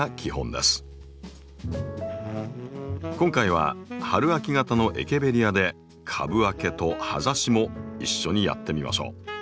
今回は春秋型のエケベリアで「株分け」と「葉ざし」も一緒にやってみましょう。